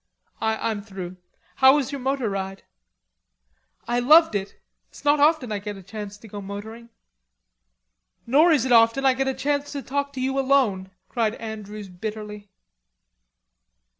"I'm through. How was your motor ride?" "I loved it. It's not often I get a chance to go motoring." "Nor is it often I get a chance to talk to you alone," cried Andrews bitterly.